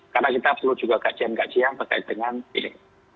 karena kita perlu juga gajian gajian berkait dengan ini